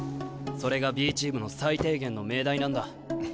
それがＢチームの最低限の命題なんだ。